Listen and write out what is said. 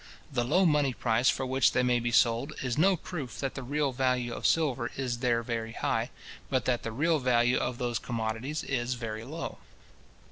The low money price for which they may be sold, is no proof that the real value of silver is there very high, but that the real value of those commodities is very low.